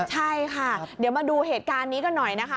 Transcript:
ใช่ค่ะเดี๋ยวมาดูเหตุการณ์นี้กันหน่อยนะคะ